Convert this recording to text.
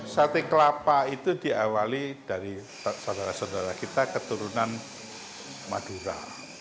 sate kelapa itu diawali dari saudara saudara kita keturunan madura